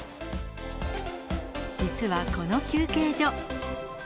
実はこの休憩所。